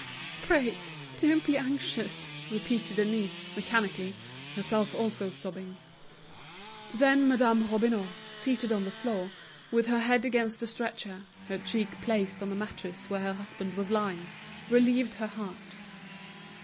"Pray, don't be anxious," repeated Denise, mechanically, herself also sobbing. Then Madame Robineau, seated on the floor, with her head against the stretcher, her cheek placed on the mattress where her husband was lying, relieved her heart.